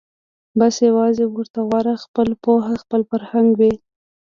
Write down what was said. بس یوازي ورته غوره خپله پوهه خپل فرهنګ وي